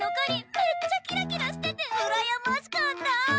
めっちゃキラキラしてて羨ましかったぁ！